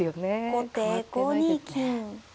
後手５二金。